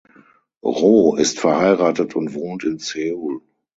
Roh ist verheiratet und wohnt in Seoul.